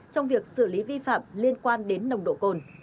trong việc xử lý vi phạm liên quan đến nồng độ cồn